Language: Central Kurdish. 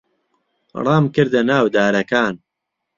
ڕامکردە ناو دارەکان.